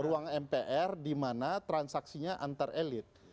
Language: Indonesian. ruang mpr di mana transaksinya antar elit